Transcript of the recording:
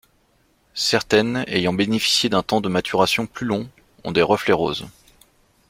Certaines ayant bénéficié d'un temps de maturation plus long, ont des reflets roses.